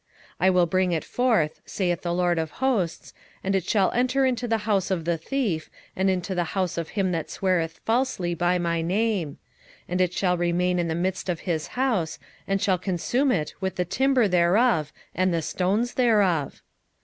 5:4 I will bring it forth, saith the LORD of hosts, and it shall enter into the house of the thief, and into the house of him that sweareth falsely by my name: and it shall remain in the midst of his house, and shall consume it with the timber thereof and the stones thereof.